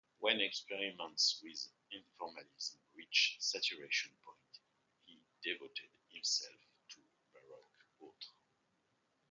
When experiments with informalism reached saturation point he devoted himself to Baroque Autre.